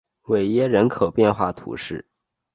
韦耶人口变化图示